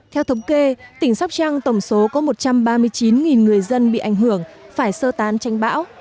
theo thống kê tỉnh sóc trăng tổng số có một trăm ba mươi chín người dân bị ảnh hưởng phải sơ tán tranh bão